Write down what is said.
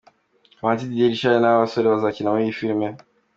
Kamanzi Didier, Richard n'aba basore bazakina muri iyi filime.